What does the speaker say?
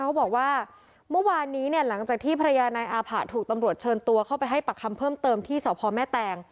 เขาบอกว่าเมื่อวานนี้เนี่ยหลังจากที่ภรรยานายอาผะถูกตำรวจเชิญตัวเข้าไปให้ปากคำเพิ่มเติมที่สพแม่แตง